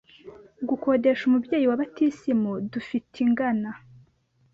gukodesha umubyeyi wa batisimu dufitingana